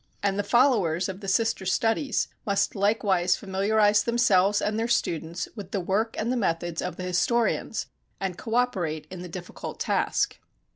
And the followers of the sister studies must likewise familiarize themselves and their students with the work and the methods of the historians, and coöperate in the difficult task.